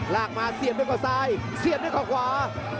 ลากมาเสียบด้วยเขาซ้ายเสียบด้วยเขาขวา